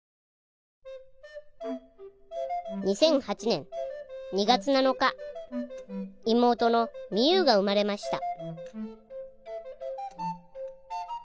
２００８年２月７日妹の実優が生まれました